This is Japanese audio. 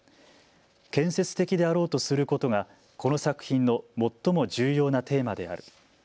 建設的であろうとすることがこの作品の最も重要なテーマである。